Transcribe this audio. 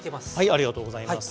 ありがとうございます。